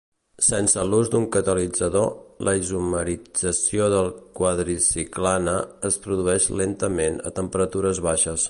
Sense l'ús d'un catalitzador, la isomerització del quadricyclane es produeix lentament a temperatures baixes.